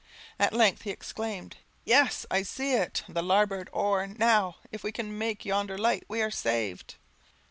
At length he exclaimed "Yes, I see it! the larboard oar! now! if we can make yonder light, we are saved!"